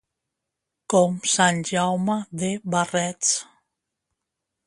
Com sant Jaume de barrets.